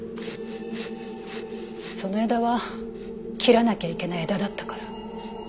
その枝は切らなきゃいけない枝だったから。